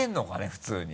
普通に。